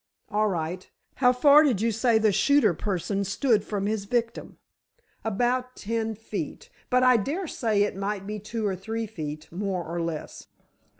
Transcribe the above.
"All right. How far did you say the shooter person stood from his victim?" "About ten feet—but I daresay it might be two or three feet, more or less."